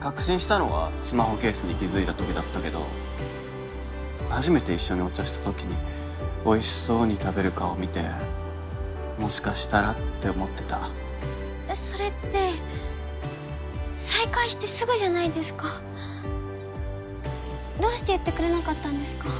確信したのはスマホケースに気づいたときだったけど初めて一緒にお茶したときにおいしそうに食べる顔を見てもしかしたらって思ってたそれって再会してすぐじゃないですかどうして言ってくれなかったんですか？